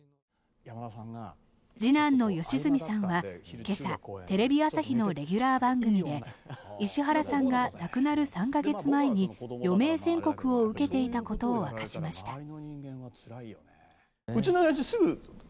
次男の良純さんは今朝テレビ朝日のレギュラー番組で石原さんが亡くなる３か月前に余命宣告を受けていたことを明かしました。